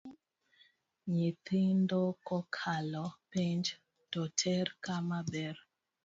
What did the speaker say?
Nyithindo kokalo penj toter kama ber